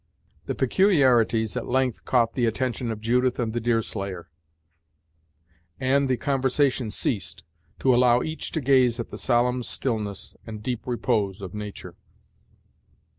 The peculiarities at length caught the attention of Judith and the Deerslayer, and the conversation ceased, to allow each to gaze at the solemn stillness and deep repose of nature.